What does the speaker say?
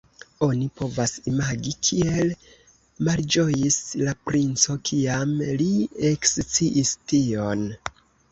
Oni povas imagi, kiel malĝojis la princo, kiam li eksciis tion.